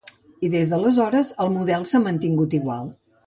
I des d'aleshores el model s'ha mantingut igual.